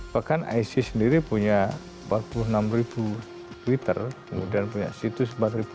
bahkan aisyah sendiri punya empat puluh enam twitter kemudian punya situs empat delapan ratus